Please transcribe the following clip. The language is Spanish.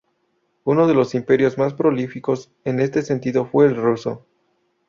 Uno de los imperios más prolíficos en este sentido fue el Ruso.